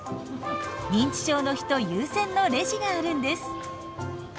認知症の人優先のレジがあるんです。